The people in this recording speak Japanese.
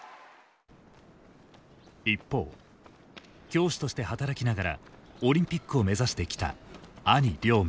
一方教師として働きながらオリンピックを目指してきた兄亮明。